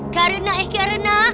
karena eh karena